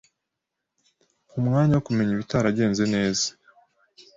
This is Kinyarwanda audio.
Mpa umwanya wo kumenya ibitaragenze neza.